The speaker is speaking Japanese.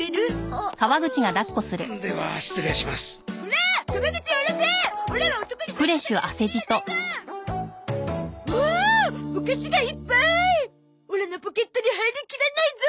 オラのポケットに入りきらないゾ！